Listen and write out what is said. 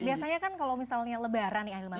biasanya kan kalau misalnya lebaran nih akhir man